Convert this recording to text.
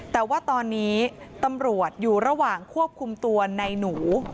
แต่ว่าตอนนี้ตำรวจอยู่ระหว่างควบคุมตัวในหนู